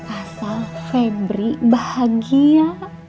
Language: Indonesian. asal febri bahagia